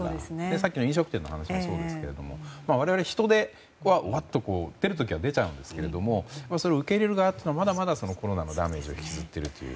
さっきの飲食店の話もそうですけれども人出は出るときは出ちゃいますがそれを受け入れる側はまだまだコロナのダメージを引きずっているという。